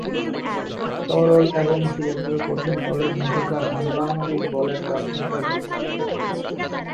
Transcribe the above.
তরল এবং ঘিরে থাকা কঠিন তলের মধ্যকার আন্ত:আণবিক বলের কারণে এটা ঘটে।